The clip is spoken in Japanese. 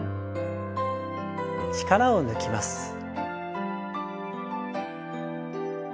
力を抜きます。